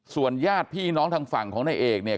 ญาติพี่น้องทางฝั่งของนายเอกเนี่ย